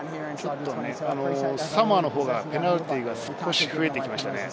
サモアの方がペナルティーが少し増えてきましたね。